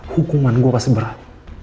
hukuman gue pasti berat